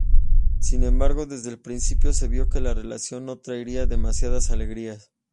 Sin embargo, desde el principio se vio que la relación no traería demasiadas alegrías.